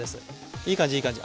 いい感じいい感じ。